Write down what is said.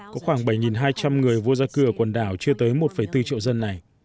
có khoảng bảy nghìn hai trăm linh người vô gia cư ở quần đảo chưa tới một bốn triệu